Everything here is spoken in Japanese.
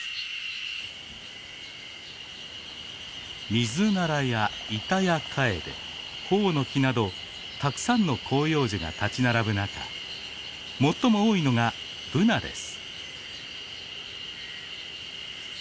ミズナラやイタヤカエデホオノキなどたくさんの広葉樹が立ち並ぶ中最も多いのがブナです。